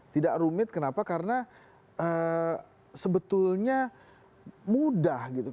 tidak rumit kenapa karena sebetulnya mudah gitu